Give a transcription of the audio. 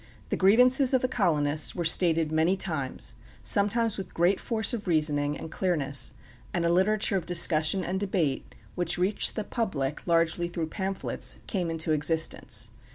The grievances of the colonists were stated many times, sometimes with great force of reasoning and clearness; and a literature of discussion and debate, which reached the public largely through pamphlets, came into existence.